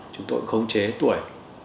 chúng tôi không chế tuổi